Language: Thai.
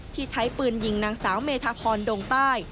ที่ใช้ปืนยิงนางสาวเมธาพรดงใต้